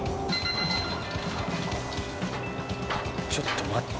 ちょっと待って。